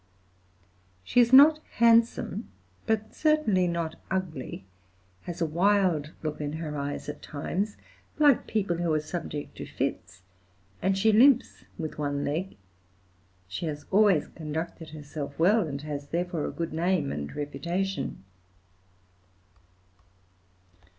She is not handsome, but certainly not ugly; has a wild look in her eyes at times, like people who are subject to fits, and she limps with one leg. She has always conducted herself well, and has therefore a good name and reputation."